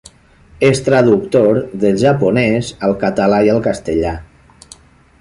És traductor del japonès al català i al castellà.